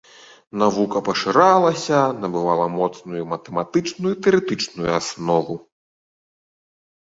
Навука пашыралася, набывала моцную матэматычную і тэарэтычную аснову.